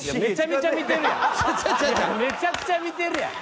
めちゃくちゃ見てるやん！」